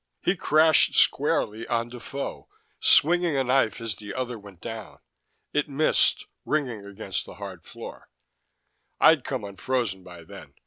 He crashed squarely on Defoe, swinging a knife as the other went down. It missed, ringing against the hard floor. I'd come unfrozen by then.